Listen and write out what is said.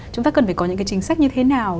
chúng ta cần phải có những cái chính sách như thế nào